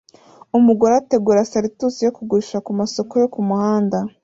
Umugore ategura salitusi yo kugurisha kumasoko yo kumuhanda